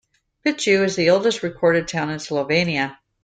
Ptuj is the oldest recorded town in Slovenia.